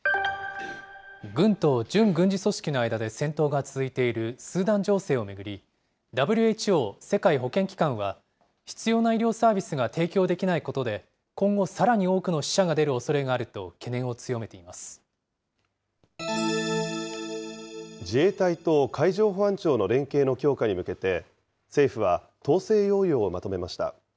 軍と準軍事組織の間で戦闘が続いているスーダン情勢を巡り、ＷＨＯ・世界保健機関は、必要な医療サービスが提供できないことで、今後、さらに多くの死者が出るおそれがあると懸念を強めてい自衛隊と海上保安庁の連携の強化に向けて、政府は統制要領をまとめました。